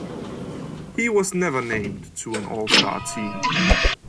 He was never named to an All-Star team.